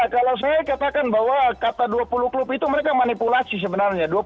kalau saya katakan bahwa kata dua puluh klub itu mereka manipulasi sebenarnya